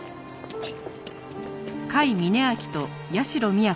はい。